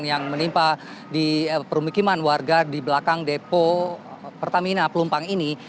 yang menimpa di permukiman warga di belakang depo pertamina pelumpang ini